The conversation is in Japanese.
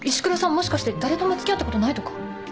もしかして誰とも付き合ったことないとか？